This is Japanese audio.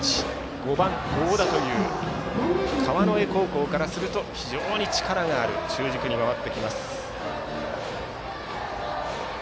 ５番、合田という川之江高校からすると非常に力がある中軸に回ります。